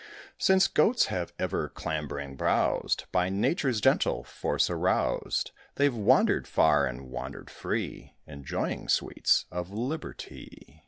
Since goats have ever clambering browsed, By Nature's gentle force aroused, They've wandered far and wandered free, Enjoying sweets of liberty.